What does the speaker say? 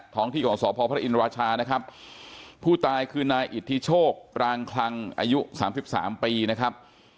ของที่ของสพพระอินราชานะครับผู้ตายคือนายอิทธิโชคปรางคลังอายุ๓๓ปีนะครับ